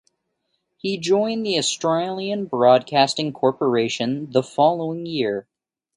He joined the Australian Broadcasting Corporation the following year.